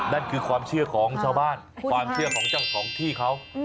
นั่นคือความเชื่อของชาวบ้านความเชื่อของเจ้าของที่เขา